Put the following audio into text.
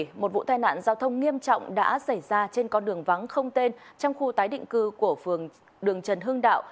trong vụ tai nạn giao thông nghiêm trọng đã xảy ra trên con đường vắng không tên trong khu tái định cư của phường đường trần hương đạo